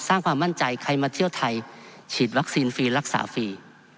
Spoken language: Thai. ความมั่นใจใครมาเที่ยวไทยฉีดวัคซีนฟรีรักษาฟรี